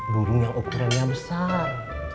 burung yang ukurannya besar